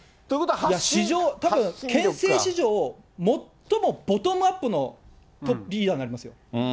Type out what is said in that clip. たぶん憲政史上、最もボトムアップのリーダーになりますよ。